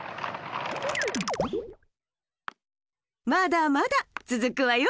まだまだつづくわよ。